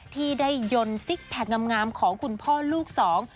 ที่ได้ยนต์ซิกแพคงามของคุณพ่อลูกสอง